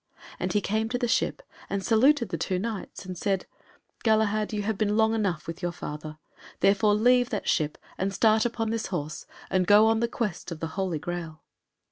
And he came to the ship, and saluted the two Knights and said, "Galahad, you have been long enough with your father, therefore leave that ship and start upon this horse, and go on the quest of the Holy Graal."